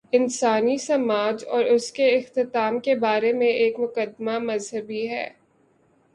انسانی سماج اور اس کے اختتام کے بارے میں ایک مقدمہ مذہبی ہے۔